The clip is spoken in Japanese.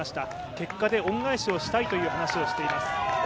結果で恩返しをしたいという話をしています。